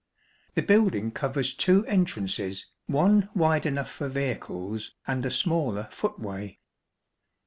The building covers two entrances, one wide enough for vehicles and a smaller footway.